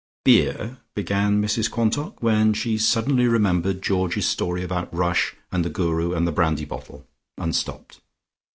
"Beer!" began Mrs Quantock, when she suddenly remembered Georgie's story about Rush and the Guru and the brandy bottle, and stopped.